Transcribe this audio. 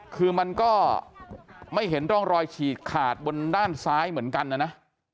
คือมันก็ไม่เห็นร่องรอยฉีกขาดบนด้านซ้ายเหมือนกันนะนะ